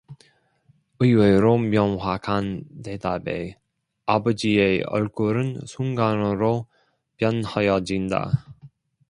의외로 명확한 대답에 아버지의 얼굴은 순간으로 변하여진다.